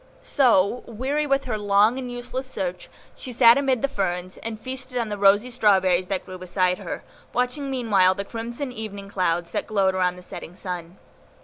So, weary with her long and useless search, she sat amid the ferns, and feasted on the rosy strawberries that grew beside her, watching meanwhile the crimson evening clouds that glowed around the setting sun.